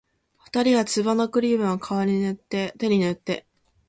二人は壺のクリームを、顔に塗って手に塗って